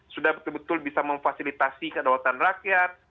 sudah betul betul bisa memfasilitasi kedaulatan rakyat